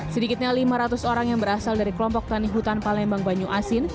sedikitnya lima ratus orang yang berasal dari kelompok tani hutan palembang banyu asin